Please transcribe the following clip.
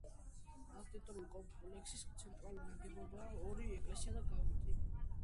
არქიტექტურული კომპლექსის ცენტრალური ნაგებობაა ორი ეკლესია და გავიტი.